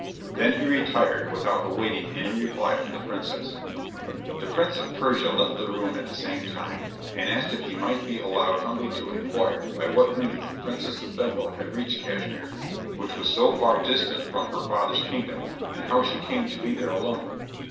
Then he retired, without awaiting any reply from the princess. The Prince of Persia left the room at the same time, and asked if he might be allowed humbly to inquire by what means the Princess of Bengal had reached Cashmere, which was so far distant from her father's kingdom, and how she came to be there alone.